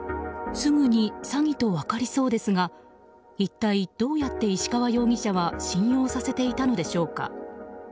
すぐに詐欺と分かりそうですが一体どうやって石川容疑者は信用させていたのでしょうか。